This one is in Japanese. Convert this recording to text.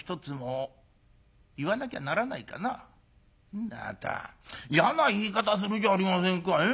「んなあなた嫌な言い方するじゃありませんか。